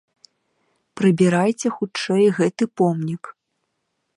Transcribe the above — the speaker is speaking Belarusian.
Прыбірайце хутчэй гэты помнік.